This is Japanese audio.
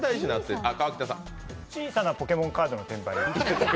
小さなポケモンカードの転売。